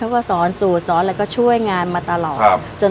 ก้อนมาครั้งนี้ต่อ๖ปีเลยนะคะ